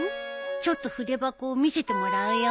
ちょっと筆箱を見せてもらうよ。